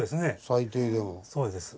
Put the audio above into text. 最低でも。